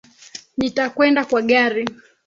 Nitakwenda kwa gari